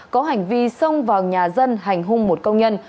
có hành vi xông vào nhà dân hành hung một công nhân